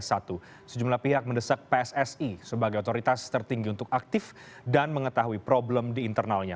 sejumlah pihak mendesak pssi sebagai otoritas tertinggi untuk aktif dan mengetahui problem di internalnya